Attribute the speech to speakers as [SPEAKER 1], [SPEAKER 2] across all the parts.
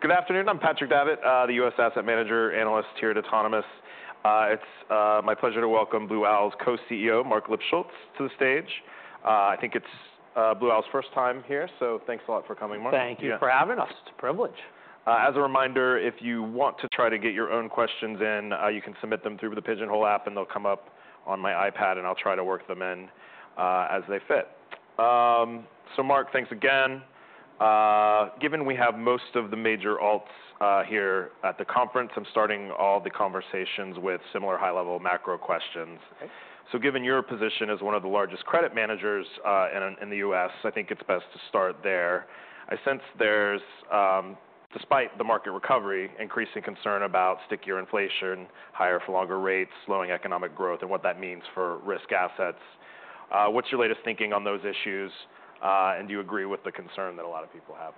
[SPEAKER 1] Good afternoon. I'm Patrick Davitt, the U.S. Asset Manager Analyst here at Autonomous. It's my pleasure to welcome Blue Owl's Co-CEO, Marc Lipschultz, to the stage. I think it's Blue Owl's first time here, so thanks a lot for coming, Marc.
[SPEAKER 2] Thank you for having us. It's a privilege.
[SPEAKER 1] As a reminder, if you want to try to get your own questions in, you can submit them through the Pigeonhole app, and they'll come up on my iPad, and I'll try to work them in as they fit. Marc, thanks again. Given we have most of the major alts here at the conference, I'm starting all the conversations with similar high-level macro questions. Given your position as one of the largest credit managers in the U.S., I think it's best to start there. I sense there's, despite the market recovery, increasing concern about stickier inflation, higher-for-longer rates, slowing economic growth, and what that means for risk assets. What's your latest thinking on those issues, and do you agree with the concern that a lot of people have?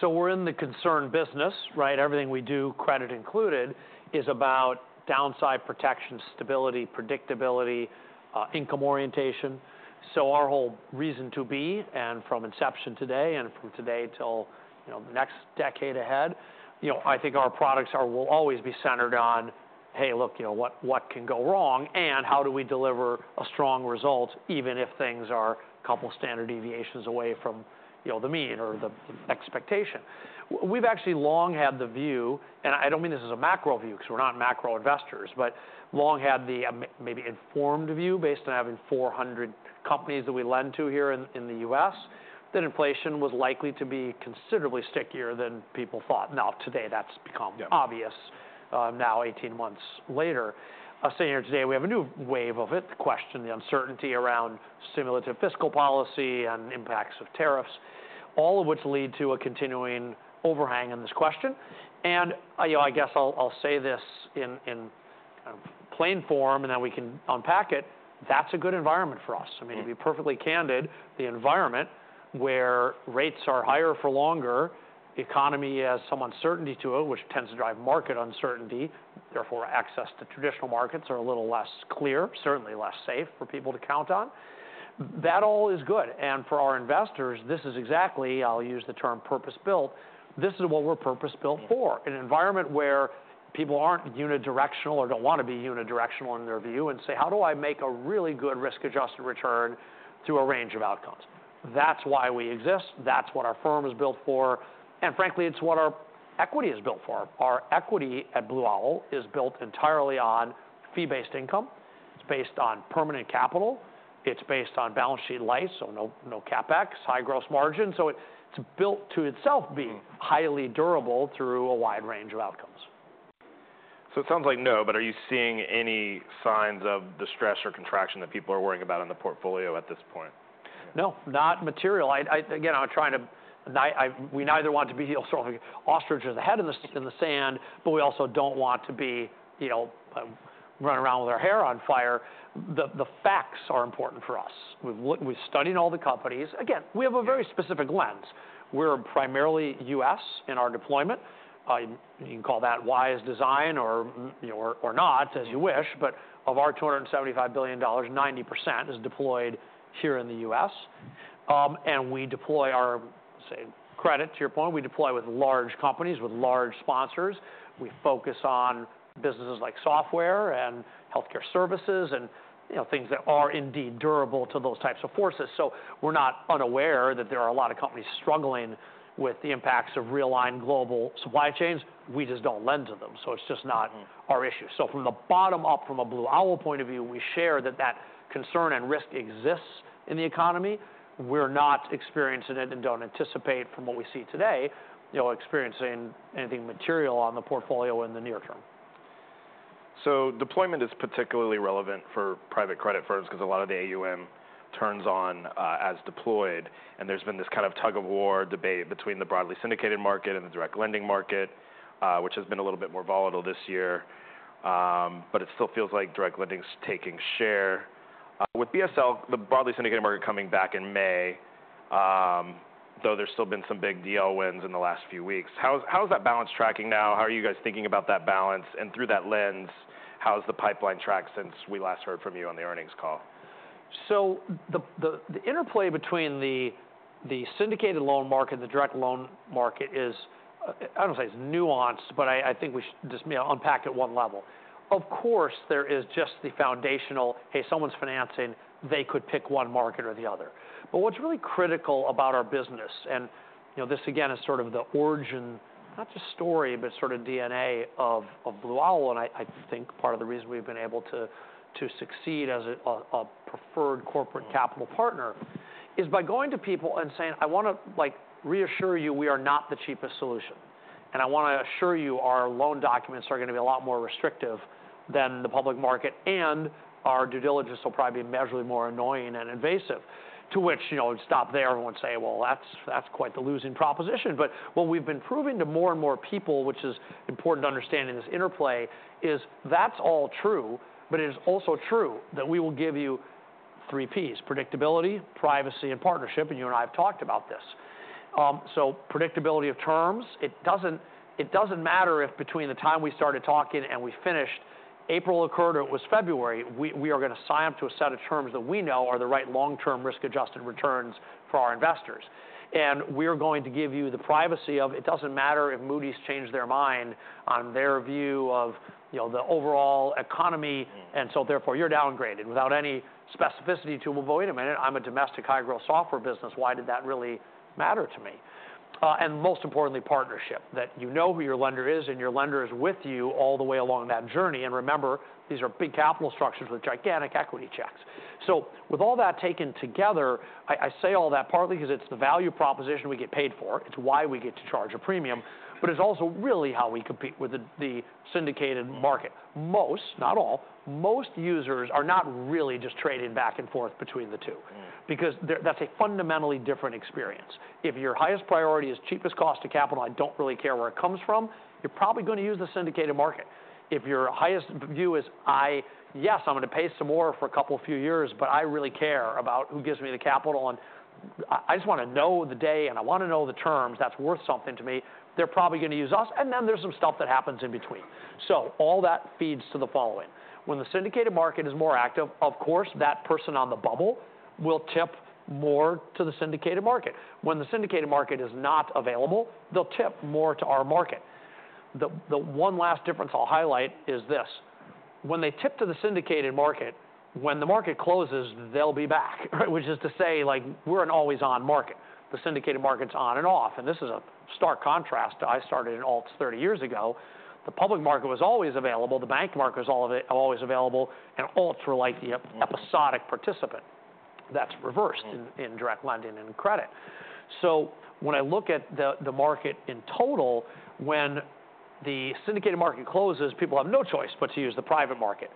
[SPEAKER 2] We're in the concern business, right? Everything we do, credit included, is about downside protection, stability, predictability, income orientation. Our whole reason to be, and from inception today and from today till the next decade ahead, I think our products will always be centered on, hey, look, what can go wrong, and how do we deliver a strong result even if things are a couple standard deviations away from the mean or the expectation? We've actually long had the view, and I don't mean this as a macro view because we're not macro investors, but long had the maybe informed view based on having 400 companies that we lend to here in the U.S. that inflation was likely to be considerably stickier than people thought. Now, today, that's become obvious now 18 months later. Sitting here today, we have a new wave of it, the question, the uncertainty around stimulative fiscal policy and impacts of tariffs, all of which lead to a continuing overhang on this question. I guess I'll say this in plain form, and then we can unpack it. That's a good environment for us. I mean, to be perfectly candid, the environment where rates are higher for longer, the economy has some uncertainty to it, which tends to drive market uncertainty, therefore access to traditional markets are a little less clear, certainly less safe for people to count on. That all is good. For our investors, this is exactly, I'll use the term purpose-built. This is what we're purpose-built for, an environment where people aren't unidirectional or don't want to be unidirectional in their view and say, how do I make a really good risk-adjusted return through a range of outcomes? That's why we exist. That's what our firm is built for. Frankly, it's what our equity is built for. Our equity at Blue Owl is built entirely on fee-based income. It's based on permanent capital. It's based on balance sheet life, no CapEx, high gross margin. It's built to itself be highly durable through a wide range of outcomes.
[SPEAKER 1] It sounds like no, but are you seeing any signs of the stress or contraction that people are worrying about in the portfolio at this point?
[SPEAKER 2] No, not material. Again, we neither want to be ostriches with our heads in the sand, but we also do not want to be running around with our hair on fire. The facts are important for us. We are studying all the companies. Again, we have a very specific lens. We are primarily U.S. in our deployment. You can call that wise design or not, as you wish, but of our $275 billion, 90% is deployed here in the U.S. We deploy our, say, credit, to your point, we deploy with large companies, with large sponsors. We focus on businesses like software and healthcare services and things that are indeed durable to those types of forces. We are not unaware that there are a lot of companies struggling with the impacts of real-time global supply chains. We just do not lend to them. It is just not our issue. From the bottom up, from a Blue Owl point of view, we share that that concern and risk exists in the economy. We're not experiencing it and don't anticipate from what we see today experiencing anything material on the portfolio in the near term.
[SPEAKER 1] Deployment is particularly relevant for private credit firms because a lot of the AUM turns on as deployed. There has been this kind of tug-of-war debate between the broadly syndicated market and the direct lending market, which has been a little bit more volatile this year. It still feels like direct lending is taking share. With BSL, the broadly syndicated market coming back in May, though there have still been some big deal wins in the last few weeks. How is that balance tracking now? How are you guys thinking about that balance? Through that lens, how has the pipeline tracked since we last heard from you on the earnings call?
[SPEAKER 2] The interplay between the syndicated loan market and the direct loan market is, I do not want to say it is nuanced, but I think we just unpack at one level. Of course, there is just the foundational, hey, someone's financing, they could pick one market or the other. What is really critical about our business, and this, again, is sort of the origin, not just story, but sort of DNA of Blue Owl. I think part of the reason we have been able to succeed as a preferred corporate capital partner is by going to people and saying, I want to reassure you, we are not the cheapest solution. I want to assure you, our loan documents are going to be a lot more restrictive than the public market, and our due diligence will probably be measurably more annoying and invasive. We would stop there and would say, well, that is quite the losing proposition. What we have been proving to more and more people, which is important to understand in this interplay, is that is all true, but it is also true that we will give you three Ps, predictability, privacy, and partnership, and you and I have talked about this. Predictability of terms, it does not matter if between the time we started talking and we finished, April occurred or it was February, we are going to sign up to a set of terms that we know are the right long-term risk-adjusted returns for our investors. We are going to give you the privacy of it does not matter if Moody's changed their mind on their view of the overall economy, and so therefore you are downgraded without any specificity to, well, wait a minute, I am a domestic high-growth software business, why did that really matter to me? Most importantly, partnership, that you know who your lender is and your lender is with you all the way along that journey. Remember, these are big capital structures with gigantic equity checks. With all that taken together, I say all that partly because it is the value proposition we get paid for, it is why we get to charge a premium, but it is also really how we compete with the syndicated market. Most, not all, most users are not really just trading back and forth between the two because that is a fundamentally different experience. If your highest priority is cheapest cost to capital, I do not really care where it comes from, you are probably going to use the syndicated market. If your highest view is, yes, I am going to pay some more for a couple few years, but I really care about who gives me the capital, and I just want to know the day and I want to know the terms, that is worth something to me, they are probably going to use us. There is some stuff that happens in between. All that feeds to the following. When the syndicated market is more active, of course, that person on the bubble will tip more to the syndicated market. When the syndicated market is not available, they will tip more to our market. The one last difference I will highlight is this. When they tip to the syndicated market, when the market closes, they'll be back, which is to say, we're an always-on market. The syndicated market's on and off. This is a stark contrast. I started in alts 30 years ago. The public market was always available. The bank market was always available. Alts were like the episodic participant. That's reversed in direct lending and credit. When I look at the market in total, when the syndicated market closes, people have no choice but to use the private market.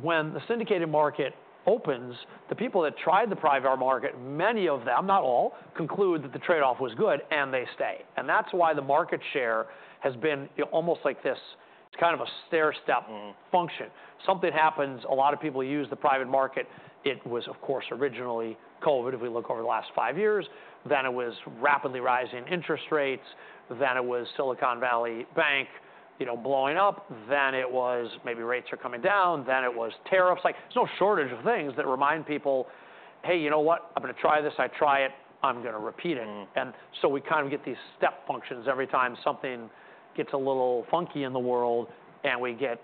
[SPEAKER 2] When the syndicated market opens, the people that tried the private market, many of them, not all, conclude that the trade-off was good and they stay. That's why the market share has been almost like this. It's kind of a stair-step function. Something happens, a lot of people use the private market. It was, of course, originally COVID if we look over the last five years. Then it was rapidly rising interest rates. Then it was Silicon Valley Bank blowing up. Then it was maybe rates are coming down. Then it was tariffs. There is no shortage of things that remind people, hey, you know what? I am going to try this. I try it. I am going to repeat it. We kind of get these step functions every time something gets a little funky in the world and we get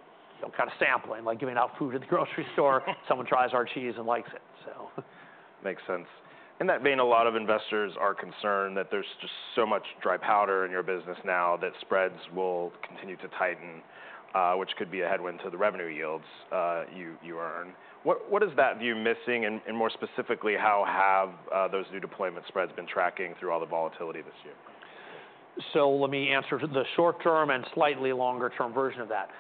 [SPEAKER 2] kind of sampling, like giving out food at the grocery store. Someone tries our cheese and likes it.
[SPEAKER 1] Makes sense. That being a lot of investors are concerned that there's just so much dry powder in your business now that spreads will continue to tighten, which could be a headwind to the revenue yields you earn. What is that view missing? More specifically, how have those new deployment spreads been tracking through all the volatility this year?
[SPEAKER 2] Let me answer the short-term and slightly longer-term version of that.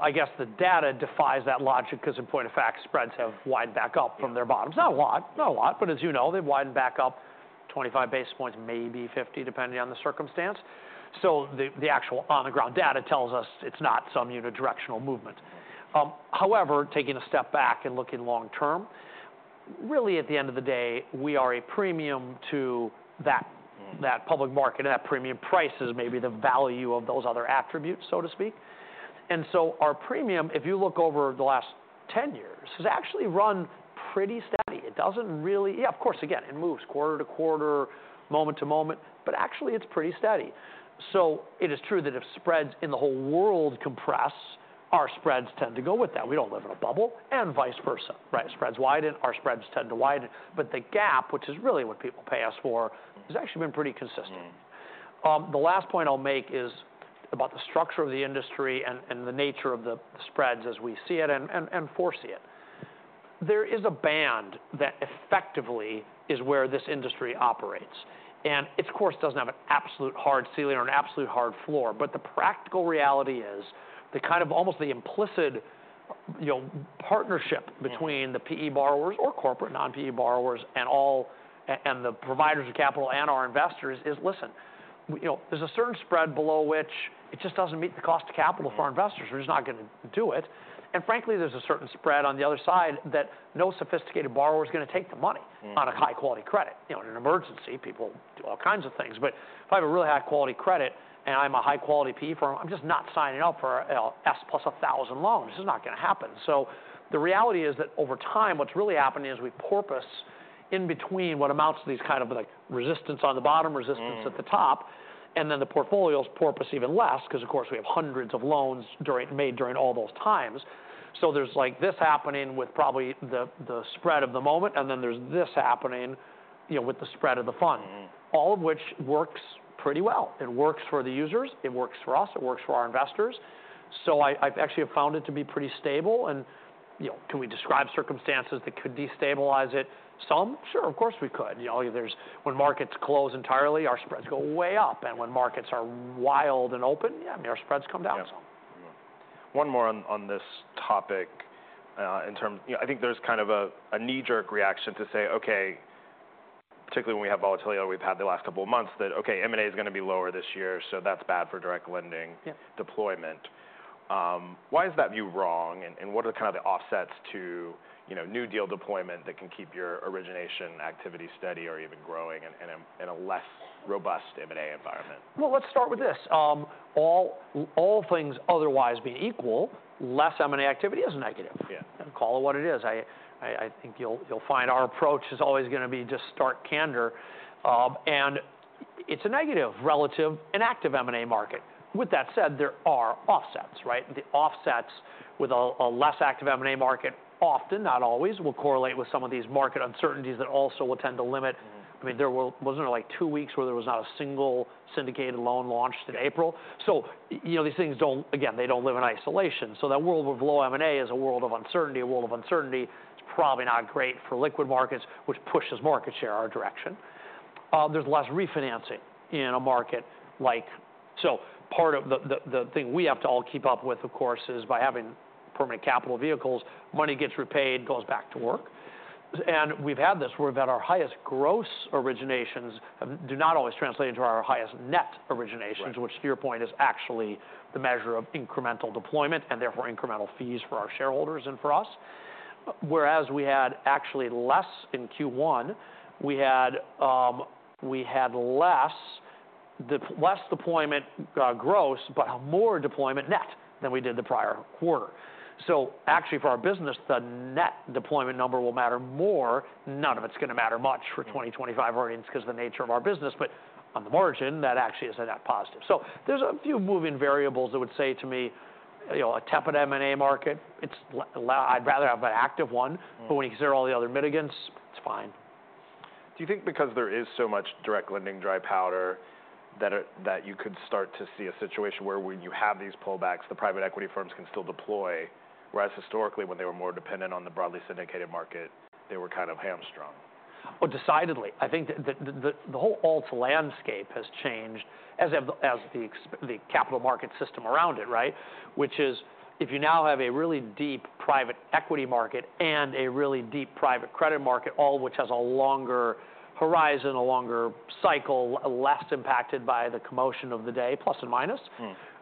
[SPEAKER 2] I guess the data defies that logic because in point of fact, spreads have widened back up from their bottoms. Not a lot, not a lot, but as you know, they have widened back up 25 basis points, maybe 50, depending on the circumstance. The actual on-the-ground data tells us it is not some unidirectional movement. However, taking a step back and looking long-term, really at the end of the day, we are a premium to that public market and that premium price is maybe the value of those other attributes, so to speak. Our premium, if you look over the last 10 years, has actually run pretty steady. It does not really, yeah, of course, again, it moves quarter to quarter, moment to moment, but actually it is pretty steady. It is true that if spreads in the whole world compress, our spreads tend to go with that. We do not live in a bubble and vice versa. If spreads widen, our spreads tend to widen. The gap, which is really what people pay us for, has actually been pretty consistent. The last point I will make is about the structure of the industry and the nature of the spreads as we see it and foresee it. There is a band that effectively is where this industry operates. It, of course, does not have an absolute hard ceiling or an absolute hard floor. The practical reality is the kind of almost the implicit partnership between the PE borrowers or corporate non-PE borrowers and the providers of capital and our investors is, listen, there is a certain spread below which it just does not meet the cost of capital for our investors. We're just not going to do it. Frankly, there's a certain spread on the other side that no sophisticated borrower is going to take the money on a high-quality credit. In an emergency, people do all kinds of things. If I have a really high-quality credit and I'm a high-quality PE firm, I'm just not signing up for an S plus 1,000 loan. This is not going to happen. The reality is that over time, what's really happened is we've porpoised in between what amounts to these kind of resistance on the bottom, resistance at the top, and then the portfolios porpoise even less because, of course, we have hundreds of loans made during all those times. There's like this happening with probably the spread of the moment, and then there's this happening with the spread of the fund, all of which works pretty well. It works for the users. It works for us. It works for our investors. I actually have found it to be pretty stable. Can we describe circumstances that could destabilize it? Some, sure, of course we could. When markets close entirely, our spreads go way up. When markets are wild and open, I mean, our spreads come down some.
[SPEAKER 1] One more on this topic. I think there's kind of a knee-jerk reaction to say, okay, particularly when we have volatility we've had the last couple of months, that, okay, M&A is going to be lower this year, so that's bad for direct lending deployment. Why is that view wrong? And what are kind of the offsets to new deal deployment that can keep your origination activity steady or even growing in a less robust M&A environment?
[SPEAKER 2] Let's start with this. All things otherwise being equal, less M&A activity is negative. Call it what it is. I think you'll find our approach is always going to be just stark candor. And it's a negative relative inactive M&A market. With that said, there are offsets, right? The offsets with a less active M&A market often, not always, will correlate with some of these market uncertainties that also will tend to limit. I mean, there was like two weeks where there was not a single syndicated loan launched in April. You know, these things don't, again, they don't live in isolation. That world of low M&A is a world of uncertainty. A world of uncertainty is probably not great for liquid markets, which pushes market share in our direction. There's less refinancing in a market like. Part of the thing we have to all keep up with, of course, is by having permanent capital vehicles, money gets repaid, goes back to work. We have had this where we have had our highest gross originations do not always translate into our highest net originations, which to your point is actually the measure of incremental deployment and therefore incremental fees for our shareholders and for us. Whereas we had actually less in Q1, we had less deployment gross, but more deployment net than we did the prior quarter. Actually for our business, the net deployment number will matter more. None of it is going to matter much for 2025 earnings because of the nature of our business. On the margin, that actually is a net positive. There are a few moving variables that would say to me, a tepid M&A market, I would rather have an active one. When you consider all the other mitigants, it's fine.
[SPEAKER 1] Do you think because there is so much direct lending dry powder that you could start to see a situation where when you have these pullbacks, the private equity firms can still deploy, whereas historically when they were more dependent on the broadly syndicated market, they were kind of hamstrung?
[SPEAKER 2] I think the whole alts landscape has changed as the capital market system around it, right? Which is if you now have a really deep private equity market and a really deep private credit market, all of which has a longer horizon, a longer cycle, less impacted by the commotion of the day, plus and minus,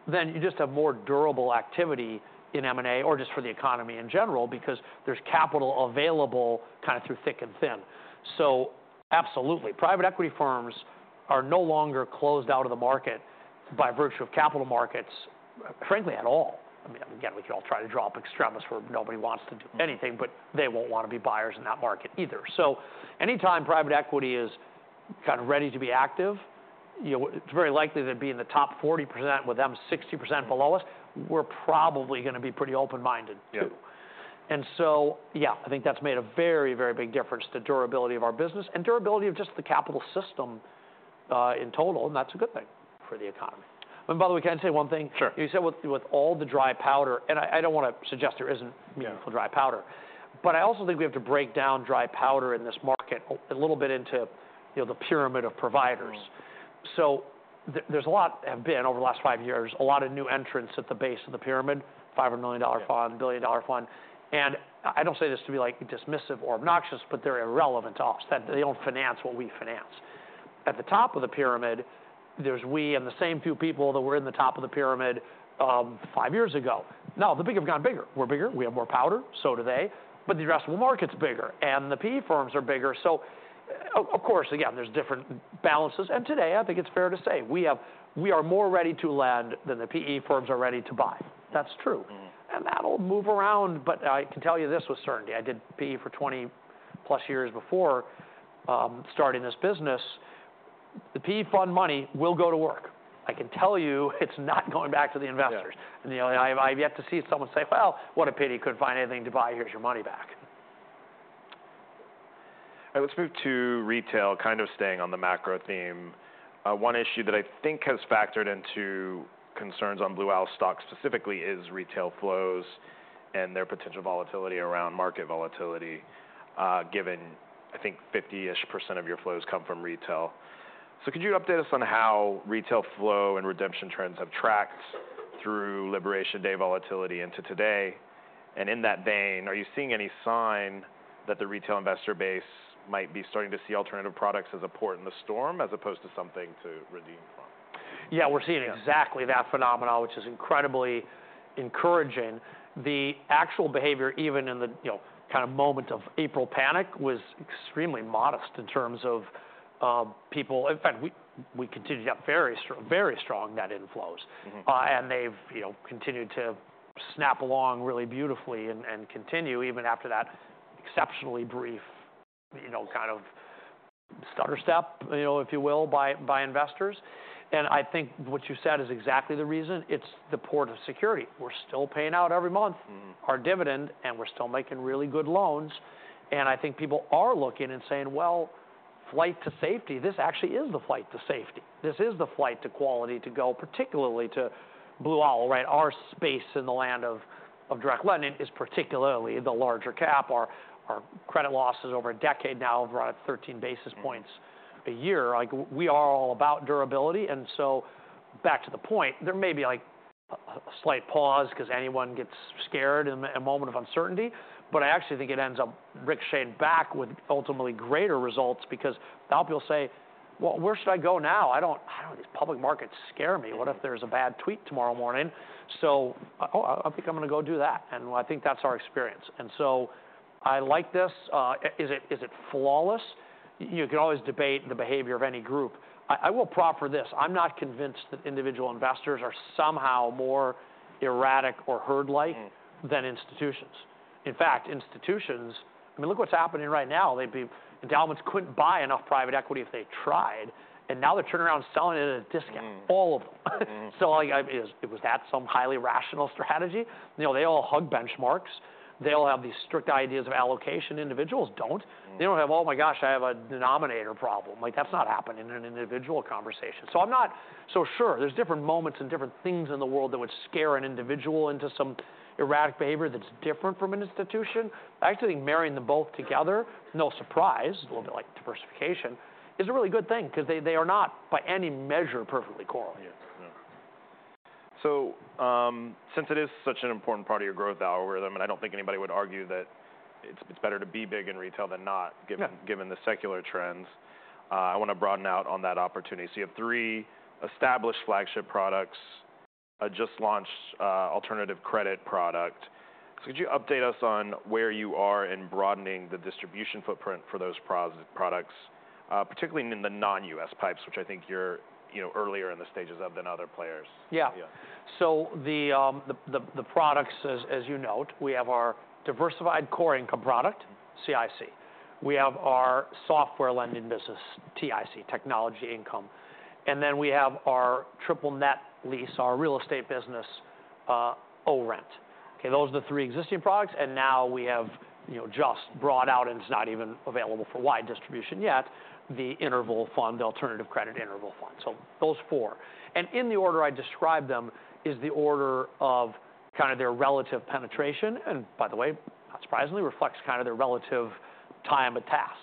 [SPEAKER 2] then you just have more durable activity in M&A or just for the economy in general because there's capital available kind of through thick and thin. Absolutely. Private equity firms are no longer closed out of the market by virtue of capital markets, frankly, at all. I mean, again, we can all try to draw up extremists where nobody wants to do anything, but they won't want to be buyers in that market either. Anytime private equity is kind of ready to be active, it's very likely that being the top 40% with them 60% below us, we're probably going to be pretty open-minded too. I think that's made a very, very big difference to durability of our business and durability of just the capital system in total. That's a good thing for the economy. By the way, can I say one thing?
[SPEAKER 1] Sure.
[SPEAKER 2] You said with all the dry powder, and I don't want to suggest there isn't meaningful dry powder, but I also think we have to break down dry powder in this market a little bit into the pyramid of providers. So, there's a lot have been over the last five years, a lot of new entrants at the base of the pyramid, $500 million fund, $1 billion fund. And I don't say this to be like dismissive or obnoxious, but they're irrelevant to us. They don't finance what we finance. At the top of the pyramid, there's we and the same few people that were in the top of the pyramid five years ago. Now the big have gotten bigger. We're bigger. We have more powder. So do they. But the addressable market's bigger and the PE firms are bigger. Of course, again, there's different balances. Today, I think it's fair to say we are more ready to lend than the PE firms are ready to buy. That's true. That'll move around, but I can tell you this with certainty. I did PE for 20 plus years before starting this business. The PE fund money will go to work. I can tell you it's not going back to the investors. I've yet to see someone say, what a pity, couldn't find anything to buy. Here's your money back.
[SPEAKER 1] All right. Let's move to retail, kind of staying on the macro theme. One issue that I think has factored into concerns on Blue Owl stock specifically is retail flows and their potential volatility around market volatility, given I think 50% of your flows come from retail. Could you update us on how retail flow and redemption trends have tracked through Liberation Day volatility into today? In that vein, are you seeing any sign that the retail investor base might be starting to see alternative products as a port in the storm as opposed to something to redeem from?
[SPEAKER 2] Yeah, we're seeing exactly that phenomenon, which is incredibly encouraging. The actual behavior, even in the kind of moment of April panic, was extremely modest in terms of people. In fact, we continued to have very strong net inflows. They have continued to snap along really beautifully and continue even after that exceptionally brief kind of stutter step, if you will, by investors. I think what you said is exactly the reason. It's the port of security. We're still paying out every month our dividend, and we're still making really good loans. I think people are looking and saying, flight to safety. This actually is the flight to safety. This is the flight to quality to go, particularly to Blue Owl, right? Our space in the land of direct lending is particularly the larger cap. Our credit loss is over a decade now of around 13 basis points a year. We are all about durability. Back to the point, there may be like a slight pause because anyone gets scared in a moment of uncertainty. I actually think it ends up ricocheting back with ultimately greater results because now people say, where should I go now? I do not know. These public markets scare me. What if there is a bad tweet tomorrow morning? I think I am going to go do that. I think that is our experience. I like this. Is it flawless? You can always debate the behavior of any group. I will proffer this. I am not convinced that individual investors are somehow more erratic or herd-like than institutions. In fact, institutions, I mean, look what is happening right now. Endowments could not buy enough private equity if they tried. Now they're turning around selling it at a discount, all of them. Was that some highly rational strategy? They all hug benchmarks. They all have these strict ideas of allocation. Individuals do not. They do not have, oh my gosh, I have a denominator problem. That is not happening in an individual conversation. I am not so sure. There are different moments and different things in the world that would scare an individual into some erratic behavior that is different from an institution. I actually think marrying them both together, no surprise, a little bit like diversification, is a really good thing because they are not by any measure perfectly correlated.
[SPEAKER 1] Since it is such an important part of your growth algorithm, and I do not think anybody would argue that it is better to be big in retail than not, given the secular trends, I want to broaden out on that opportunity. You have three established flagship products, a just launched alternative credit product. Could you update us on where you are in broadening the distribution footprint for those products, particularly in the non-U.S. pipes, which I think you are earlier in the stages of than other players?
[SPEAKER 2] Yeah. The products, as you note, we have our diversified core income product, CIC. We have our software lending business, TIC, technology income. Then we have our triple net lease, our real estate business, ORENT. Those are the three existing products. Now we have just brought out, and it is not even available for wide distribution yet, the interval fund, the alternative credit interval fund. Those four. In the order I described them is the order of kind of their relative penetration. By the way, not surprisingly, reflects kind of their relative time of task.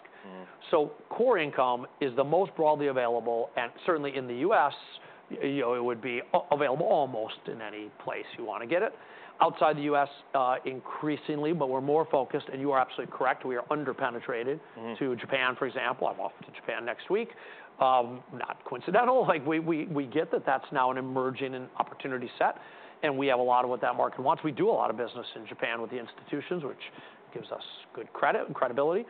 [SPEAKER 2] Core income is the most broadly available. Certainly in the U.S., it would be available almost in any place you want to get it. Outside the U.S., increasingly, but we are more focused. You are absolutely correct. We are underpenetrated to Japan, for example. I'm off to Japan next week. Not coincidental. We get that that's now an emerging opportunity set. And we have a lot of what that market wants. We do a lot of business in Japan with the institutions, which gives us good credit and credibility.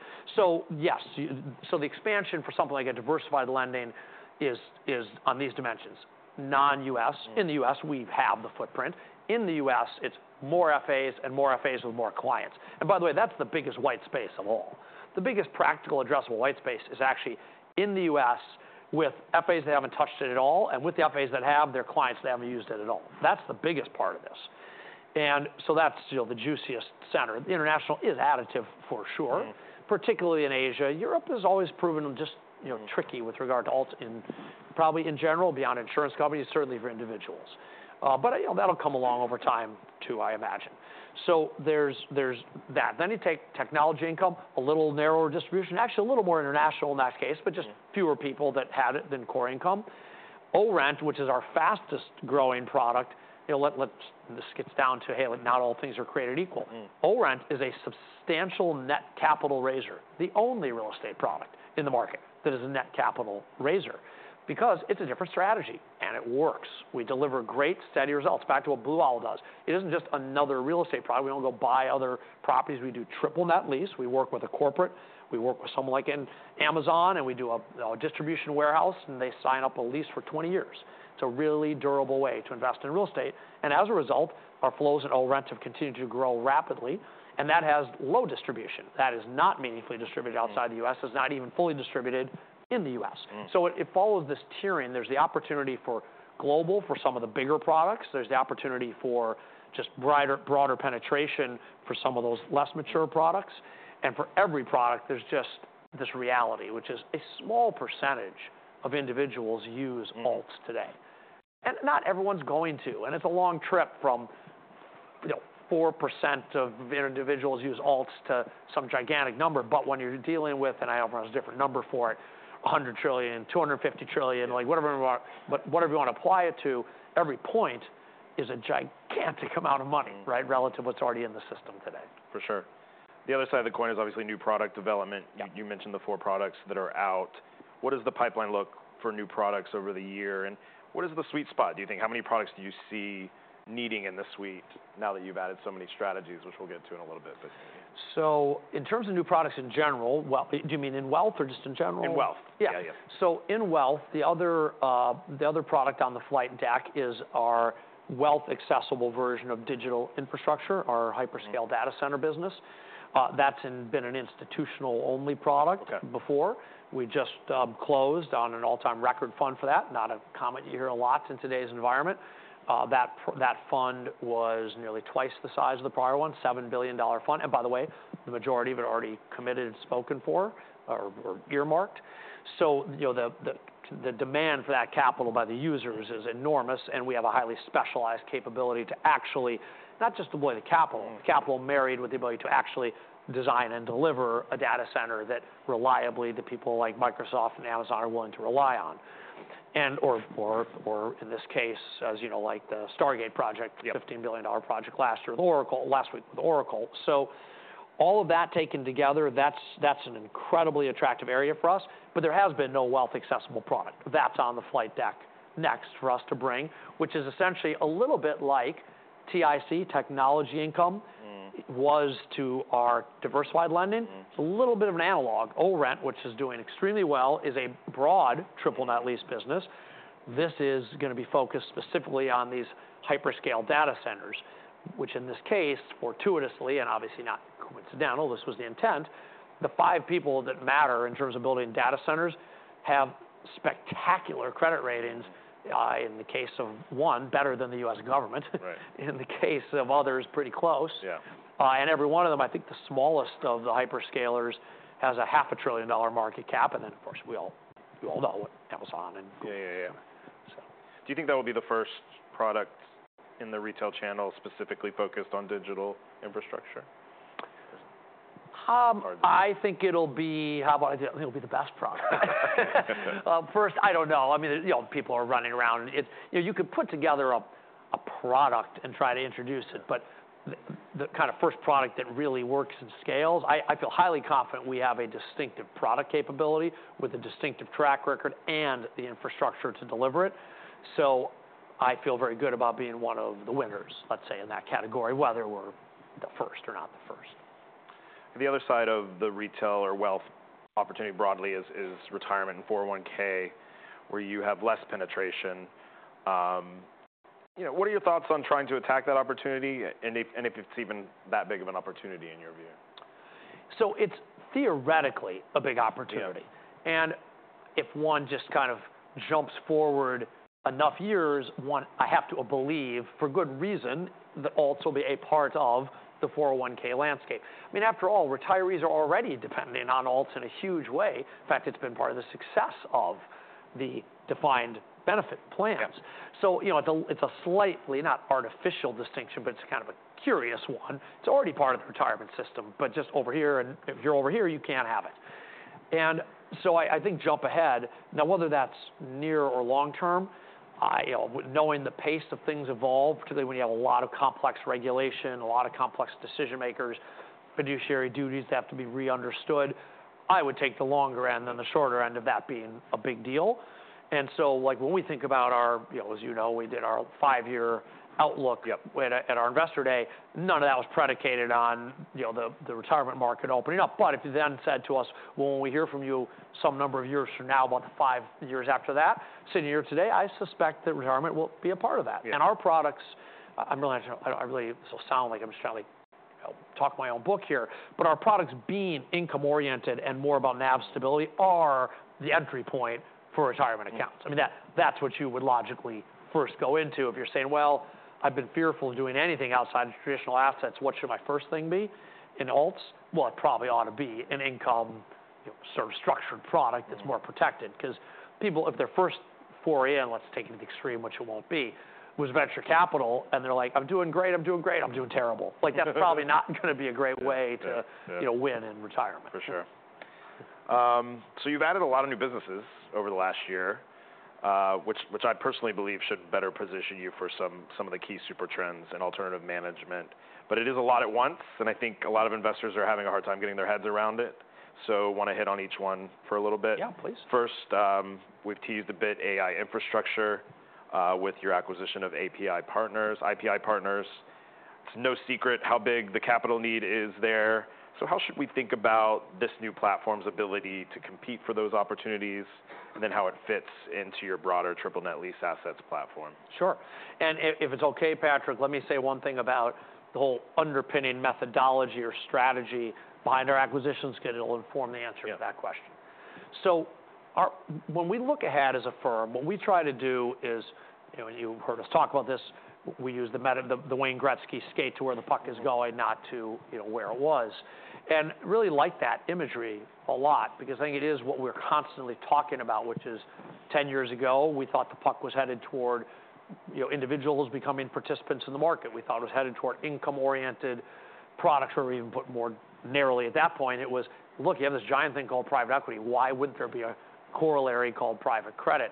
[SPEAKER 2] Yes. The expansion for something like a diversified lending is on these dimensions. Non-U.S., in the U.S., we have the footprint. In the U.S., it's more FAs and more FAs with more clients. By the way, that's the biggest white space of all. The biggest practical addressable white space is actually in the U.S. with FAs that haven't touched it at all and with the FAs that have, their clients that haven't used it at all. That's the biggest part of this. That's the juiciest center. The international is additive for sure, particularly in Asia. Europe has always proven just tricky with regard to alts and probably in general beyond insurance companies, certainly for individuals. That will come along over time too, I imagine. There is that. You take technology income, a little narrower distribution, actually a little more international in that case, but just fewer people that had it than core income. ORENT, which is our fastest growing product, this gets down to, hey, not all things are created equal. ORENT is a substantial net capital raiser, the only real estate product in the market that is a net capital raiser because it's a different strategy and it works. We deliver great steady results back to what Blue Owl does. It isn't just another real estate product. We do not go buy other properties. We do triple net lease. We work with a corporate. We work with someone like Amazon, and we do a distribution warehouse, and they sign up a lease for 20 years. It is a really durable way to invest in real estate. As a result, our flows in ORENT have continued to grow rapidly. That has low distribution. That is not meaningfully distributed outside the U.S. It is not even fully distributed in the U.S. It follows this tiering. There is the opportunity for global, for some of the bigger products. There is the opportunity for just broader penetration for some of those less mature products. For every product, there is just this reality, which is a small percentage of individuals use alts today. Not everyone's going to. It is a long trip from 4% of individuals use alts to some gigantic number. When you're dealing with, and I have a different number for it, $100 trillion, $250 trillion, whatever you want to apply it to, every point is a gigantic amount of money relative to what's already in the system today.
[SPEAKER 1] For sure. The other side of the coin is obviously new product development. You mentioned the four products that are out. What does the pipeline look for new products over the year? What is the sweet spot, do you think? How many products do you see needing in the suite now that you've added so many strategies, which we'll get to in a little bit?
[SPEAKER 2] In terms of new products in general, do you mean in wealth or just in general?
[SPEAKER 1] In wealth.
[SPEAKER 2] Yeah. So, in wealth, the other product on the flight deck is our wealth accessible version of digital infrastructure, our hyperscale data center business. That's been an institutional-only product before. We just closed on an all-time record fund for that. Not a comment you hear a lot in today's environment. That fund was nearly twice the size of the prior one, $7 billion fund. By the way, the majority of it already committed and spoken for or earmarked. The demand for that capital by the users is enormous. We have a highly specialized capability to actually not just deploy the capital, the capital married with the ability to actually design and deliver a data center that reliably the people like Microsoft and Amazon are willing to rely on. Or in this case, as you know, like the Stargate project, $15 billion project last year with Oracle, last week with Oracle. All of that taken together, that is an incredibly attractive area for us. There has been no wealth accessible product. That is on the flight deck next for us to bring, which is essentially a little bit like TIC technology income was to our diversified lending. It is a little bit of an analog. ORENT, which is doing extremely well, is a broad triple net lease business. This is going to be focused specifically on these hyperscale data centers, which in this case, fortuitously, and obviously not coincidental, this was the intent. The five people that matter in terms of building data centers have spectacular credit ratings. In the case of one, better than the U.S. government. In the case of others, pretty close. Every one of them, I think the smallest of the hyperscalers has a $500 billion market cap. Of course, we all know what Amazon and Google.
[SPEAKER 1] Do you think that will be the first product in the retail channel specifically focused on digital infrastructure?
[SPEAKER 2] I think it'll be, how about, I think it'll be the best product. First, I don't know. I mean, people are running around. You could put together a product and try to introduce it. But the kind of first product that really works and scales, I feel highly confident we have a distinctive product capability with a distinctive track record and the infrastructure to deliver it. I feel very good about being one of the winners, let's say, in that category, whether we're the first or not the first.
[SPEAKER 1] The other side of the retail or wealth opportunity broadly is retirement and 401(k), where you have less penetration. What are your thoughts on trying to attack that opportunity? Is it even that big of an opportunity in your view?
[SPEAKER 2] It's theoretically a big opportunity. And if one just kind of jumps forward enough years, I have to believe for good reason that alts will be a part of the 401(k) landscape. I mean, after all, retirees are already depending on alts in a huge way. In fact, it's been part of the success of the defined benefit plans. It's a slightly not artificial distinction, but it's kind of a curious one. It's already part of the retirement system, but just over here, and if you're over here, you can't have it. I think jump ahead. Now, whether that's near or long term, knowing the pace of things evolve, particularly when you have a lot of complex regulation, a lot of complex decision makers, fiduciary duties that have to be re-understood, I would take the longer end than the shorter end of that being a big deal. When we think about our, as you know, we did our five-year outlook at our investor day, none of that was predicated on the retirement market opening up. If you then said to us, well, when we hear from you some number of years from now, about five years after that, sitting here today, I suspect that retirement will be a part of that. Our products, I'm really going to sound like I'm just trying to talk my own book here, but our products being income-oriented and more about NAV stability are the entry point for retirement accounts. I mean, that's what you would logically first go into if you're saying, I've been fearful of doing anything outside of traditional assets. What should my first thing be in alts? It probably ought to be an income sort of structured product that's more protected. Because people, if their first foray, and let's take it to the extreme, which it won't be, was venture capital, and they're like, I'm doing great, I'm doing great, I'm doing terrible. That's probably not going to be a great way to win in retirement.
[SPEAKER 1] For sure. You have added a lot of new businesses over the last year, which I personally believe should better position you for some of the key super trends in alternative management. It is a lot at once. I think a lot of investors are having a hard time getting their heads around it. Want to hit on each one for a little bit?
[SPEAKER 2] Yeah, please.
[SPEAKER 1] First, we've teased a bit AI infrastructure with your acquisition of IPI Partners. It's no secret how big the capital need is there. How should we think about this new platform's ability to compete for those opportunities and then how it fits into your broader triple net lease assets platform?
[SPEAKER 2] Sure. If it's okay, Patrick, let me say one thing about the whole underpinning methodology or strategy behind our acquisition schedule and form the answer to that question. When we look ahead as a firm, what we try to do is, and you've heard us talk about this, we use the Wayne Gretzky skate to where the puck is going, not to where it was. I really like that imagery a lot because I think it is what we're constantly talking about, which is 10 years ago, we thought the puck was headed toward individuals becoming participants in the market. We thought it was headed toward income-oriented products or even put more narrowly at that point. It was, look, you have this giant thing called private equity. Why wouldn't there be a corollary called private credit?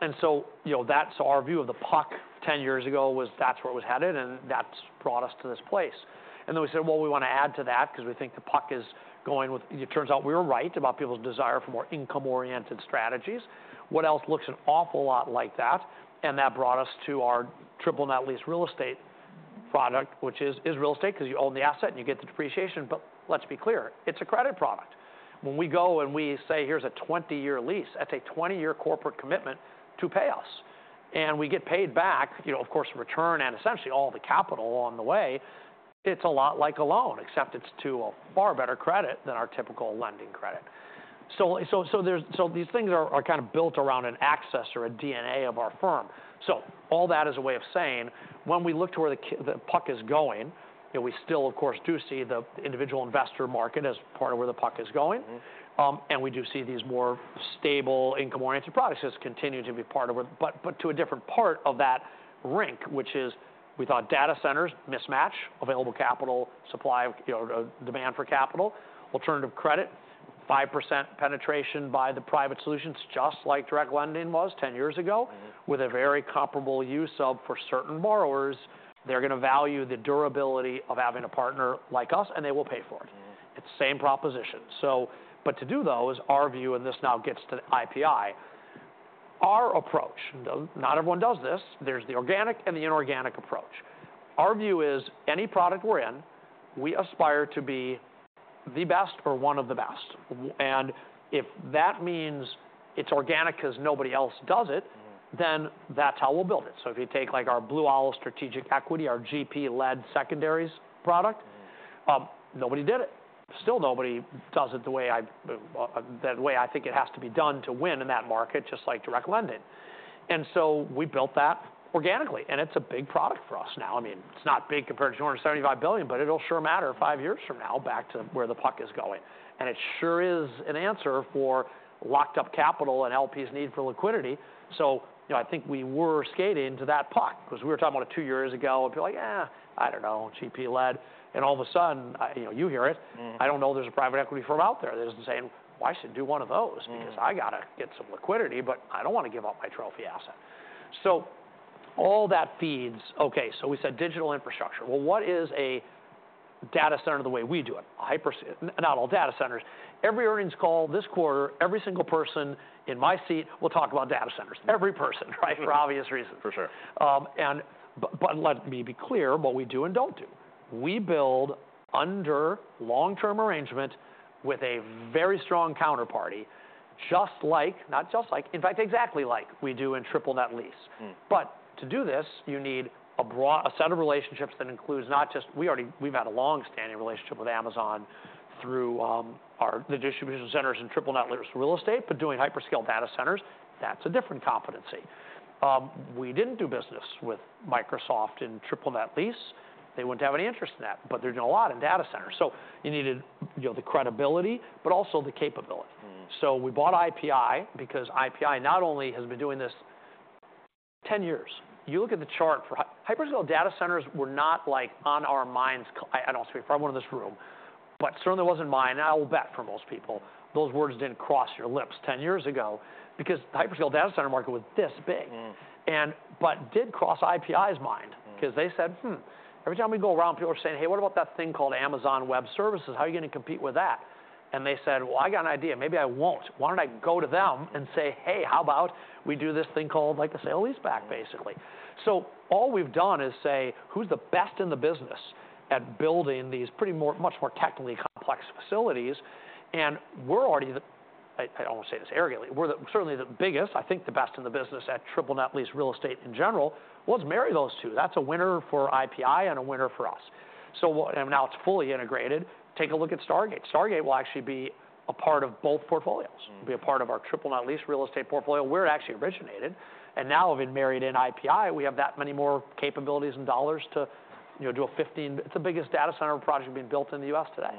[SPEAKER 2] That is our view of the puck 10 years ago was that is where it was headed. That has brought us to this place. We said we want to add to that because we think the puck is going with, it turns out we were right about people's desire for more income-oriented strategies. What else looks an awful lot like that? That brought us to our triple net lease real estate product, which is real estate because you own the asset and you get the depreciation. Let us be clear, it is a credit product. When we go and we say, here is a 20-year lease, that is a 20-year corporate commitment to pay us. We get paid back, of course, return and essentially all the capital on the way. It is a lot like a loan, except it is to a far better credit than our typical lending credit. These things are kind of built around an access or a DNA of our firm. All that is a way of saying when we look to where the puck is going, we still, of course, do see the individual investor market as part of where the puck is going. We do see these more stable income-oriented products as continuing to be part of it, but to a different part of that rink, which is we thought data centers, mismatch, available capital, supply, demand for capital, alternative credit, 5% penetration by the private solutions, just like direct lending was 10 years ago with a very comparable use for certain borrowers. They are going to value the durability of having a partner like us, and they will pay for it. It is the same proposition. To do those, our view, and this now gets to the IPI, our approach, not everyone does this, there's the organic and the inorganic approach. Our view is any product we're in, we aspire to be the best or one of the best. If that means it's organic because nobody else does it, then that's how we'll build it. If you take like our Blue Owl Strategic Equity, our GP-led secondaries product, nobody did it. Still, nobody does it the way I think it has to be done to win in that market, just like direct lending. We built that organically. It's a big product for us now. I mean, it's not big compared to $275 billion, but it'll sure matter five years from now back to where the puck is going. It sure is an answer for locked up capital and LP's need for liquidity. I think we were skating to that puck because we were talking about it two years ago. It would be like, I do not know, GP-led. All of a sudden, you hear it. I do not know there is a private equity firm out there that is not saying, well, I should do one of those because I have to get some liquidity, but I do not want to give up my trophy asset. All that feeds, okay, we said digital infrastructure. What is a data center the way we do it? Not all data centers. Every earnings call this quarter, every single person in my seat will talk about data centers. Every person, right? For obvious reasons.
[SPEAKER 1] For sure.
[SPEAKER 2] Let me be clear what we do and do not do. We build under long-term arrangement with a very strong counterparty, just like, not just like, in fact, exactly like we do in triple net lease. To do this, you need a set of relationships that includes not just, we have had a long-standing relationship with Amazon through the distribution centers and triple net lease real estate, but doing hyperscale data centers, that is a different competency. We did not do business with Microsoft in triple net lease. They would not have any interest in that, but they are doing a lot in data centers. You needed the credibility, but also the capability. We bought IPI because IPI not only has been doing this 10 years. You look at the chart for hyperscale data centers, we're not like on our minds, I don't speak for everyone in this room, but certainly wasn't mine. I'll bet for most people, those words didn't cross your lips 10 years ago because the hyperscale data center market was this big. It did cross IPI's mind because they said, every time we go around, people are saying, hey, what about that thing called Amazon Web Services? How are you going to compete with that? They said, I got an idea. Maybe I won't. Why don't I go to them and say, hey, how about we do this thing called like a sale lease back, basically? All we've done is say, who's the best in the business at building these pretty much more technically complex facilities? We're already, I do not want to say this arrogantly, we're certainly the biggest, I think the best in the business at triple net lease real estate in general. Marry those two. That is a winner for IPI and a winner for us. Now it is fully integrated. Take a look at Stargate. Stargate will actually be a part of both portfolios, be a part of our triple net lease real estate portfolio where it actually originated. Now we have been married in IPI. We have that many more capabilities and dollars to do a $15 billion, it is the biggest data center project being built in the U.S. today.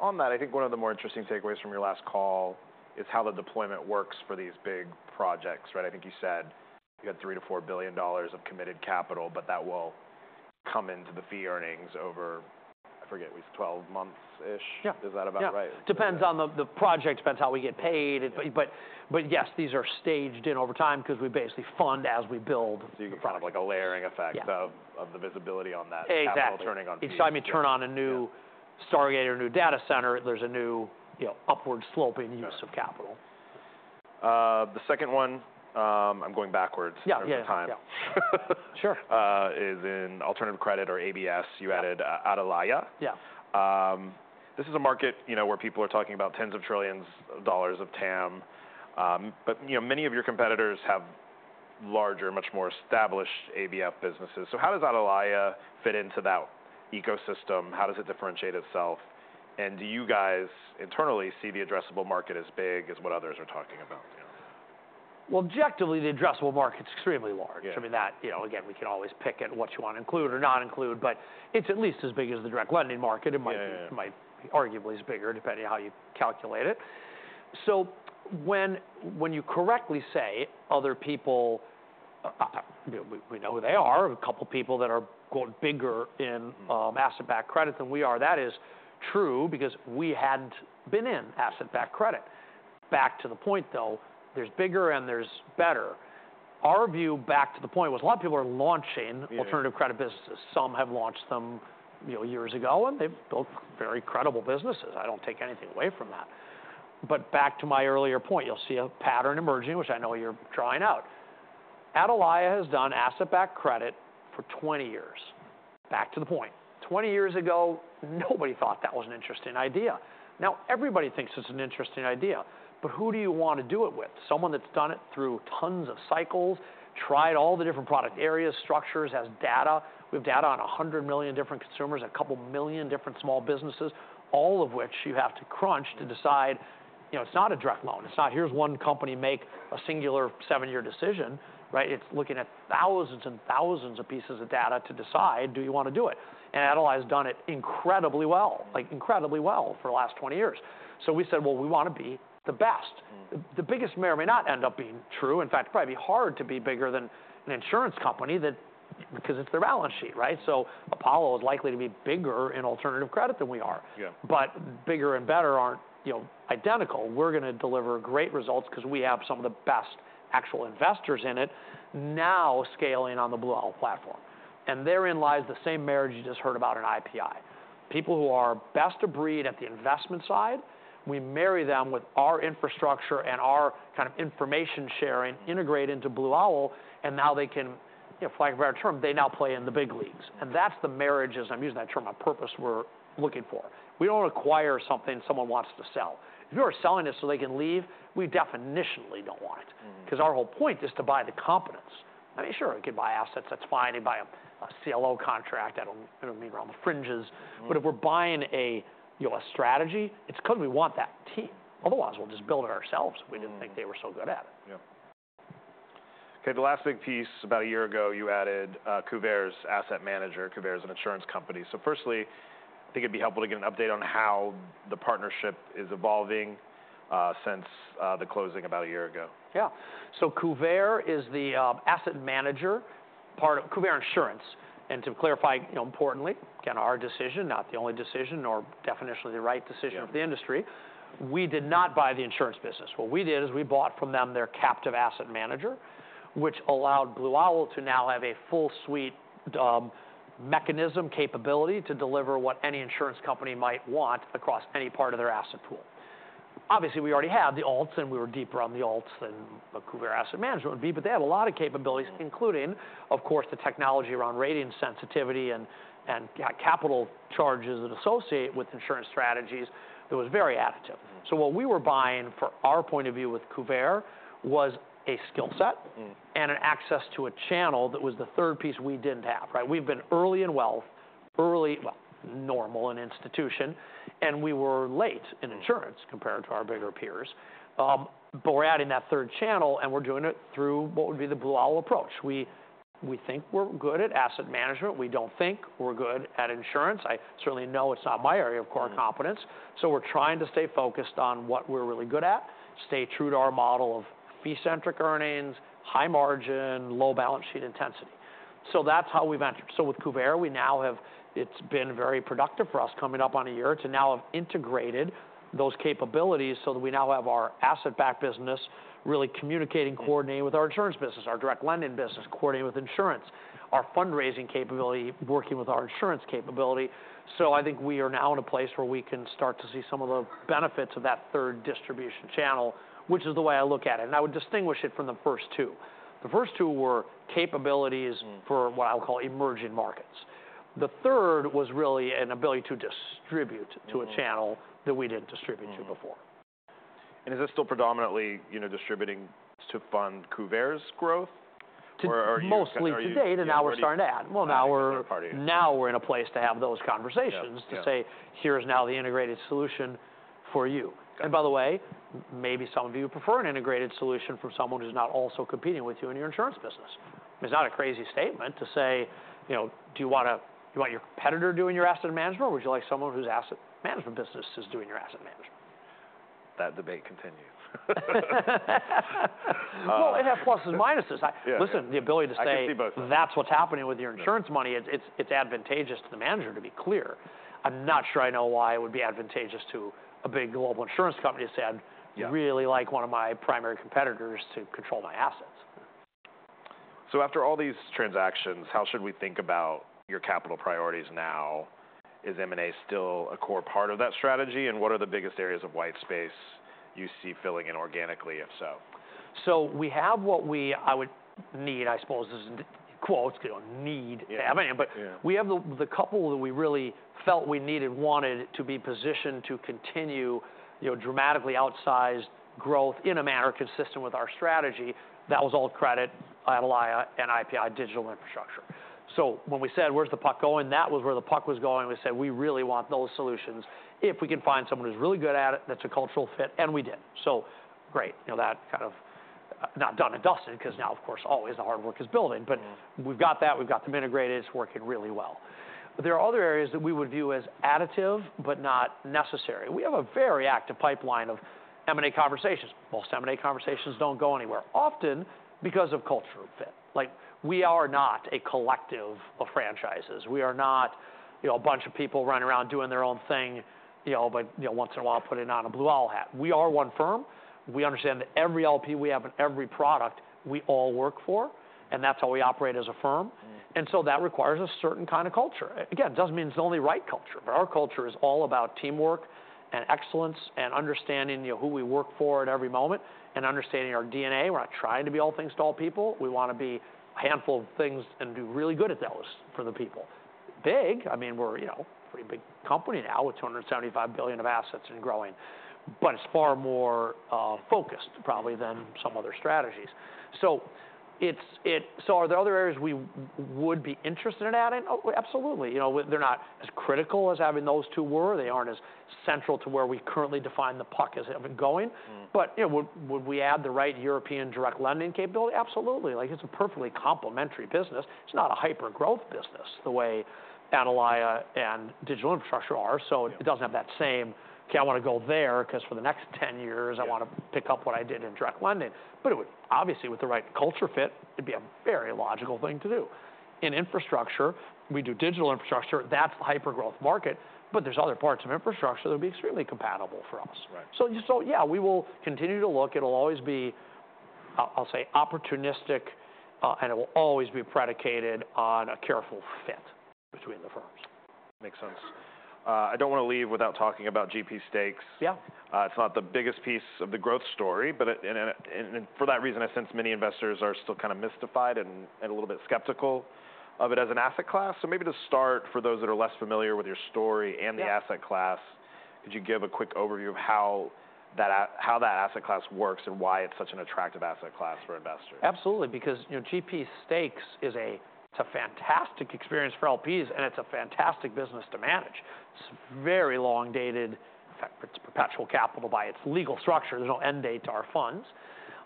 [SPEAKER 1] On that, I think one of the more interesting takeaways from your last call is how the deployment works for these big projects. I think you said you had $3 billion-$4 billion of committed capital, but that will come into the fee earnings over, I forget, at least 12 months-ish. Is that about right?
[SPEAKER 2] Yeah. Depends on the project, depends how we get paid. Yes, these are staged in over time because we basically fund as we build.
[SPEAKER 1] You can kind of like a layering effect of the visibility on that.
[SPEAKER 2] Exactly.
[SPEAKER 1] Capital turning on fees.
[SPEAKER 2] Each time you turn on a new Stargate or a new data center, there's a new upward sloping use of capital.
[SPEAKER 1] The second one, I'm going backwards in time.
[SPEAKER 2] Yeah. Sure.
[SPEAKER 1] Is in alternative credit or ABS. You added Atalaya. This is a market where people are talking about tens of trillions of dollars of TAM. Many of your competitors have larger, much more established ABF businesses. How does Atalaya fit into that ecosystem? How does it differentiate itself? Do you guys internally see the addressable market as big as what others are talking about?
[SPEAKER 2] Objectively, the addressable market's extremely large. I mean, that, again, we can always pick at what you want to include or not include, but it's at least as big as the direct lending market. It might be arguably as bigger depending on how you calculate it. When you correctly say other people, we know who they are, a couple of people that are quote bigger in asset-backed credit than we are, that is true because we hadn't been in asset-backed credit. Back to the point though, there's bigger and there's better. Our view back to the point was a lot of people are launching alternative credit businesses. Some have launched them years ago and they've built very credible businesses. I don't take anything away from that. Back to my earlier point, you'll see a pattern emerging, which I know you're drawing out. Atalaya has done asset-backed credit for 20 years. Back to the point. Twenty years ago, nobody thought that was an interesting idea. Now, everybody thinks it's an interesting idea, but who do you want to do it with? Someone that's done it through tons of cycles, tried all the different product areas, structures, has data. We have data on 100 million different consumers, a couple million different small businesses, all of which you have to crunch to decide. It's not a direct loan. It's not here's one company make a singular seven-year decision. It's looking at thousands and thousands of pieces of data to decide, do you want to do it? And Atalaya has done it incredibly well, like incredibly well for the last 20 years. We said, we want to be the best. The biggest may or may not end up being true. In fact, it'd probably be hard to be bigger than an insurance company because it's their balance sheet. Apollo is likely to be bigger in alternative credit than we are. Bigger and better aren't identical. We're going to deliver great results because we have some of the best actual investors in it now scaling on the Blue Owl platform. Therein lies the same marriage you just heard about in IPI. People who are best of breed at the investment side, we marry them with our infrastructure and our kind of information sharing integrated into Blue Owl, and now they can, for lack of a better term, they now play in the big leagues. That's the marriage, as I'm using that term, a purpose we're looking for. We don't acquire something someone wants to sell. If you're selling it so they can leave, we definitionally don't want it. Because our whole point is to buy the competence. I mean, sure, you could buy assets, that's fine. You buy a CLO contract, it'll meet around the fringes. But if we're buying a strategy, it's because we want that team. Otherwise, we'll just build it ourselves if we didn't think they were so good at it.
[SPEAKER 1] Yeah. Okay. The last big piece about a year ago, you added Kuvare Asset Management. Kuvare is an insurance company. So firstly, I think it'd be helpful to get an update on how the partnership is evolving since the closing about a year ago.
[SPEAKER 2] Yeah. Kuvare is the asset manager part of Kuvare Insurance. To clarify importantly, kind of our decision, not the only decision or definitionally the right decision of the industry, we did not buy the insurance business. What we did is we bought from them their captive asset manager, which allowed Blue Owl to now have a full suite mechanism, capability to deliver what any insurance company might want across any part of their asset pool. Obviously, we already had the alts and we were deeper on the alts than Kuvare Asset Management would be, but they have a lot of capabilities, including, of course, the technology around rating sensitivity and capital charges that associate with insurance strategies that was very additive. What we were buying from our point of view with Kuvare was a skill set and an access to a channel that was the third piece we did not have. We have been early in wealth, early, well, normal in institution, and we were late in insurance compared to our bigger peers. We are adding that third channel and we are doing it through what would be the Blue Owl approach. We think we are good at asset management. We do not think we are good at insurance. I certainly know it is not my area of core competence. We are trying to stay focused on what we are really good at, stay true to our model of fee-centric earnings, high margin, low balance sheet intensity. That is how we have entered. With Kuvare, we now have, it's been very productive for us coming up on a year to now have integrated those capabilities so that we now have our asset-backed business really communicating, coordinating with our insurance business, our direct lending business, coordinating with insurance, our fundraising capability, working with our insurance capability. I think we are now in a place where we can start to see some of the benefits of that third distribution channel, which is the way I look at it. I would distinguish it from the first two. The first two were capabilities for what I'll call emerging markets. The third was really an ability to distribute to a channel that we didn't distribute to before.
[SPEAKER 1] Is this still predominantly distributing to fund Kuvare's growth?
[SPEAKER 2] Mostly to date, and now we're starting to add. Now we're in a place to have those conversations to say, here's now the integrated solution for you. By the way, maybe some of you prefer an integrated solution from someone who's not also competing with you in your insurance business. It's not a crazy statement to say, do you want your competitor doing your asset management, or would you like someone whose asset management business is doing your asset management?
[SPEAKER 1] That debate continues.
[SPEAKER 2] It has pluses and minuses. Listen, the ability to say.
[SPEAKER 1] I can see both.
[SPEAKER 2] That's what's happening with your insurance money. It's advantageous to the manager, to be clear. I'm not sure I know why it would be advantageous to a big global insurance company to say, I'd really like one of my primary competitors to control my assets.
[SPEAKER 1] After all these transactions, how should we think about your capital priorities now? Is M&A still a core part of that strategy? What are the biggest areas of white space you see filling in organically, if so?
[SPEAKER 2] We have what we, I would need, I suppose, is quotes, need. We have the couple that we really felt we needed, wanted to be positioned to continue dramatically outsized growth in a manner consistent with our strategy. That was all credit, Atalaya and IPI Digital Infrastructure. When we said, where's the puck going, that was where the puck was going. We said, we really want those solutions. If we can find someone who's really good at it, that's a cultural fit, and we did. Great. That kind of not done and dusted because now, of course, always the hard work is building. We have that. We have them integrated. It's working really well. There are other areas that we would view as additive, but not necessary. We have a very active pipeline of M&A conversations. Most M&A conversations do not go anywhere, often because of culture fit. We are not a collective of franchises. We are not a bunch of people running around doing their own thing, but once in a while putting on a Blue Owl hat. We are one firm. We understand that every LP we have and every product we all work for, and that is how we operate as a firm. That requires a certain kind of culture. Again, it does not mean it is the only right culture, but our culture is all about teamwork and excellence and understanding who we work for at every moment and understanding our DNA. We are not trying to be all things to all people. We want to be a handful of things and do really good at those for the people. Big, I mean, we're a pretty big company now with $275 billion of assets and growing, but it's far more focused probably than some other strategies. Are there other areas we would be interested in adding? Absolutely. They're not as critical as having those two were. They aren't as central to where we currently define the puck as it would go in. Would we add the right European direct lending capability? Absolutely. It's a perfectly complementary business. It's not a hyper-growth business the way Atalaya and digital infrastructure are. It doesn't have that same, okay, I want to go there because for the next 10 years, I want to pick up what I did in direct lending. Obviously, with the right culture fit, it'd be a very logical thing to do. In infrastructure, we do digital infrastructure. That's the hyper-growth market. There are other parts of infrastructure that would be extremely compatible for us. Yeah, we will continue to look. It will always be, I'll say, opportunistic, and it will always be predicated on a careful fit between the firms.
[SPEAKER 1] Makes sense. I do not want to leave without talking about GP Stakes. It is not the biggest piece of the growth story, but for that reason, I sense many investors are still kind of mystified and a little bit skeptical of it as an asset class. Maybe to start, for those that are less familiar with your story and the asset class, could you give a quick overview of how that asset class works and why it is such an attractive asset class for investors?
[SPEAKER 2] Absolutely. Because GP Stakes is a fantastic experience for LPs, and it's a fantastic business to manage. It's very long-dated, it's perpetual capital by its legal structure. There's no end date to our funds.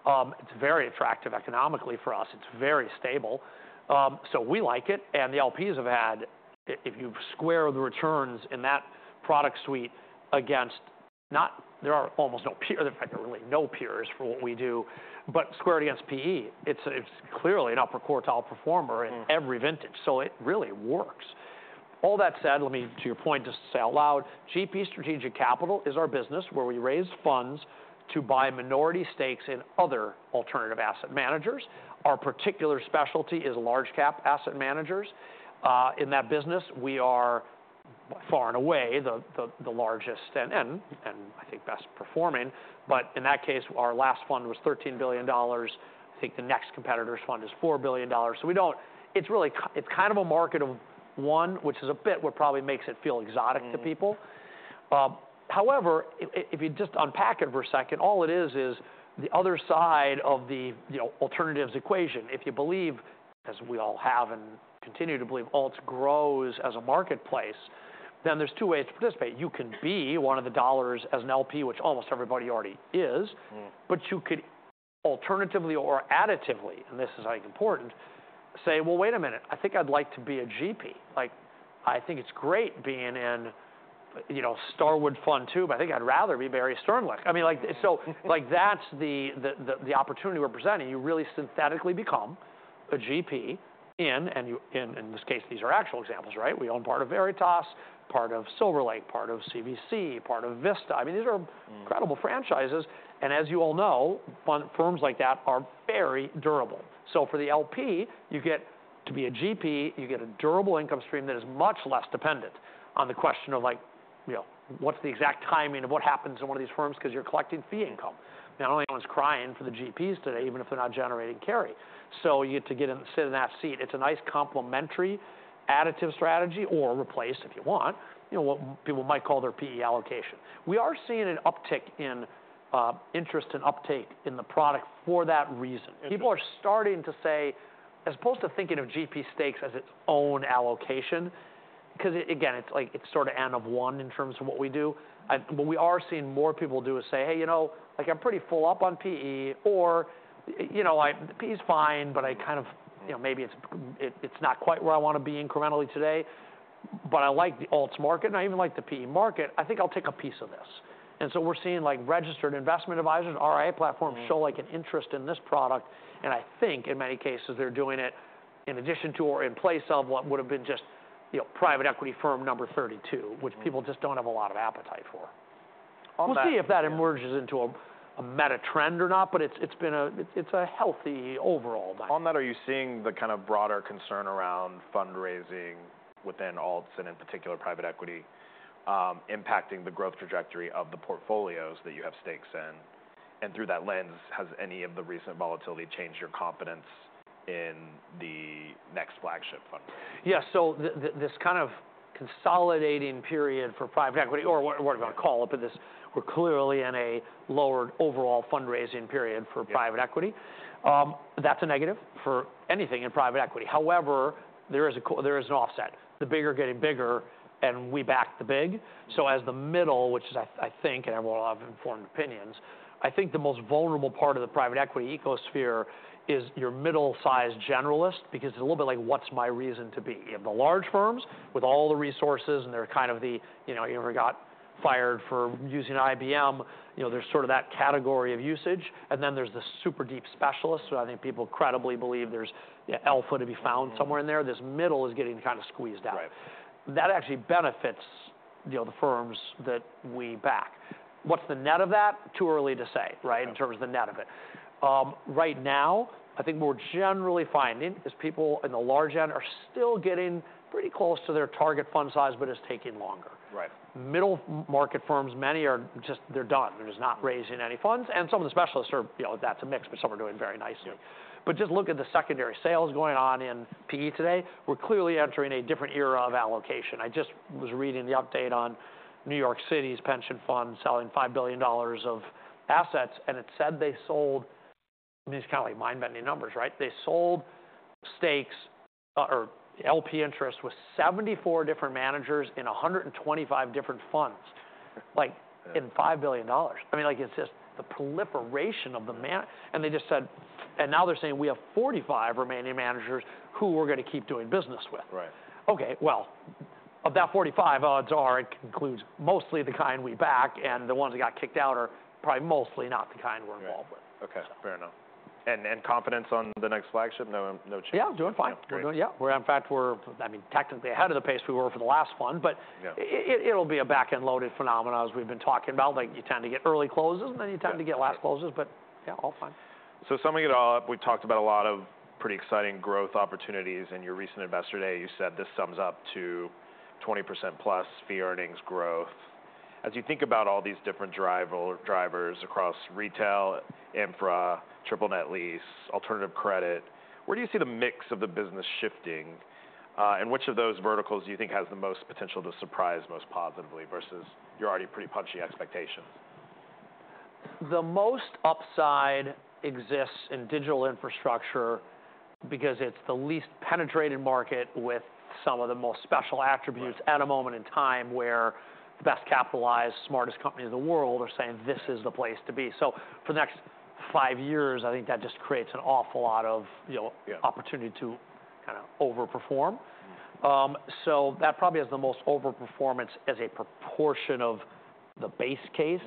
[SPEAKER 2] It's very attractive economically for us. It's very stable. We like it. The LPs have had, if you square the returns in that product suite against, there are almost no peers. In fact, there are really no peers for what we do, but squared against PE, it's clearly an upper quartile performer in every vintage. It really works. All that said, let me, to your point, just say out loud, GP Strategic Capital is our business where we raise funds to buy minority stakes in other alternative asset managers. Our particular specialty is large-cap asset managers. In that business, we are far and away the largest and I think best performing. In that case, our last fund was $13 billion. I think the next competitor's fund is $4 billion. It is kind of a market of one, which is a bit what probably makes it feel exotic to people. However, if you just unpack it for a second, all it is, is the other side of the alternatives equation. If you believe, as we all have and continue to believe, alts grows as a marketplace, then there are two ways to participate. You can be one of the dollars as an LP, which almost everybody already is, but you could alternatively or additively, and this is important, say, wait a minute, I think I'd like to be a GP. I think it is great being in Starwood Fund II, but I think I'd rather be Barry Sternlicht. That is the opportunity we are presenting. You really synthetically become a GP in, and in this case, these are actual examples. We own part of Veritas, part of Silver Lake, part of CVC, part of Vista. I mean, these are incredible franchises. As you all know, firms like that are very durable. For the LP, you get to be a GP, you get a durable income stream that is much less dependent on the question of what's the exact timing of what happens in one of these firms because you're collecting fee income. Not only everyone's crying for the GPs today, even if they're not generating carry. You get to sit in that seat. It's a nice complementary additive strategy or replace, if you want, what people might call their PE allocation. We are seeing an uptick in interest and uptake in the product for that reason. People are starting to say, as opposed to thinking of GP Stakes as its own allocation, because again, it's sort of N of one in terms of what we do. What we are seeing more people do is say, hey, you know I'm pretty full up on PE, or PE is fine, but I kind of maybe it's not quite where I want to be incrementally today, but I like the alts market. I even like the PE market. I think I'll take a piece of this. We are seeing registered investment advisors, RIA platforms show an interest in this product. I think in many cases, they're doing it in addition to or in place of what would have been just private equity firm number 32, which people just don't have a lot of appetite for. We'll see if that emerges into a meta trend or not, but it's healthy overall.
[SPEAKER 1] On that, are you seeing the kind of broader concern around fundraising within alts and in particular private equity impacting the growth trajectory of the portfolios that you have stakes in? Through that lens, has any of the recent volatility changed your confidence in the next flagship fundraising?
[SPEAKER 2] Yeah. So this kind of consolidating period for private equity, or whatever I want to call it, but we're clearly in a lowered overall fundraising period for private equity. That's a negative for anything in private equity. However, there is an offset. The big are getting bigger, and we back the big. As the middle, which is, I think, and everyone will have informed opinions, I think the most vulnerable part of the private equity ecosphere is your middle-sized generalist because it's a little bit like, what's my reason to be? You have the large firms with all the resources, and they're kind of the, you ever got fired for using IBM, there's sort of that category of usage. Then there's the super deep specialists. I think people credibly believe there's alpha to be found somewhere in there. This middle is getting kind of squeezed out. That actually benefits the firms that we back. What's the net of that? Too early to say in terms of the net of it. Right now, I think what we're generally finding is people in the large end are still getting pretty close to their target fund size, but it's taking longer. Middle market firms, many are just, they're done. They're just not raising any funds. Some of the specialists are, that's a mix, but some are doing very nicely. Just look at the secondary sales going on in PE today. We're clearly entering a different era of allocation. I just was reading the update on New York City's pension fund selling $5 billion of assets, and it said they sold, these kind of mind-bending numbers, right? They sold stakes or LP interest with 74 different managers in 125 different funds in $5 billion. I mean, it's just the proliferation of the managers. They just said, and now they're saying we have 45 remaining managers who we're going to keep doing business with. Okay, of that 45, odds are it includes mostly the kind we back, and the ones that got kicked out are probably mostly not the kind we're involved with.
[SPEAKER 1] Okay. Fair enough. And confidence on the next flagship? No change?
[SPEAKER 2] Yeah, we're doing fine. Yeah. In fact, I mean, technically ahead of the pace we were for the last fund, but it'll be a back-end loaded phenomenon as we've been talking about. You tend to get early closes, and then you tend to get last closes, but yeah, all fine.
[SPEAKER 1] Summing it all up, we've talked about a lot of pretty exciting growth opportunities. In your recent investor day, you said this sums up to 20%+ fee earnings growth. As you think about all these different drivers across retail, infra, triple net lease, alternative credit, where do you see the mix of the business shifting? Which of those verticals do you think has the most potential to surprise most positively versus your already pretty punchy expectations?
[SPEAKER 2] The most upside exists in digital infrastructure because it's the least penetrated market with some of the most special attributes at a moment in time where the best capitalized, smartest company in the world are saying, this is the place to be. For the next five years, I think that just creates an awful lot of opportunity to kind of overperform. That probably has the most overperformance as a proportion of the base case.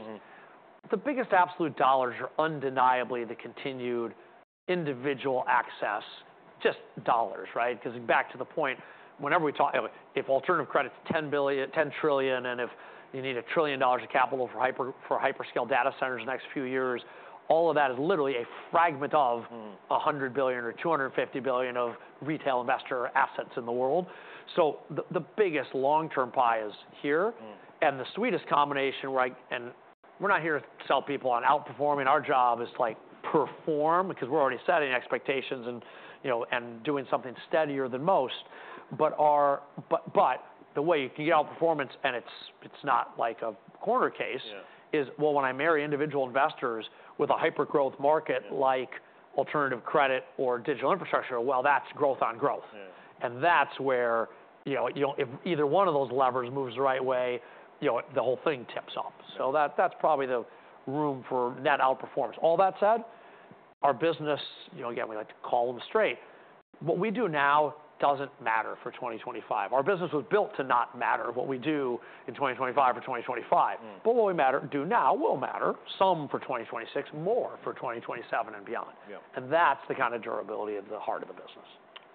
[SPEAKER 2] The biggest absolute dollars are undeniably the continued individual access, just dollars, right? Because back to the point, whenever we talk, if alternative credit's $10 trillion and if you need $1 trillion of capital for hyperscale data centers in the next few years, all of that is literally a fragment of $100 billion or $250 billion of retail investor assets in the world. The biggest long-term pie is here. The sweetest combination, and we're not here to sell people on outperforming. Our job is to perform because we're already setting expectations and doing something steadier than most. The way you can get outperformance, and it's not like a corner case, is, when I marry individual investors with a hyper-growth market like alternative credit or digital infrastructure, that's growth on growth. That's where if either one of those levers moves the right way, the whole thing tips up. That's probably the room for net outperformance. All that said, our business, again, we like to call them straight. What we do now doesn't matter for 2025. Our business was built to not matter what we do in 2025 for 2025. What we do now will matter some for 2026, more for 2027 and beyond. That's the kind of durability of the heart of the business.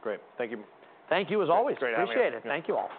[SPEAKER 1] Great. Thank you.
[SPEAKER 2] Thank you as always. Appreciate it. Thank you all.